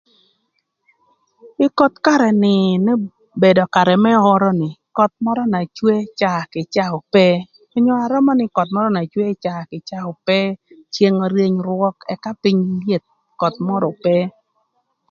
Ï koth karë ni obedo karë më oro ni köth mörö na cwe caa kï caa ope onyo römö nï köth mörö na cwe caa kï caa ope ceng öryëny rwök ëka pïny lyeth köth mörö ope.